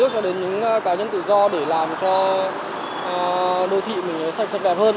một cá nhân tự do để làm cho đô thị mình sạch sạch đẹp hơn